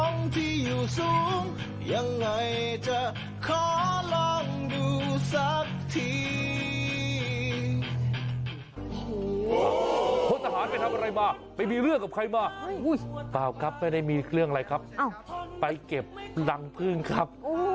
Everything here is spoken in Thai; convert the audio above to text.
มันก็ต้องเสียงไหนล่ะครับ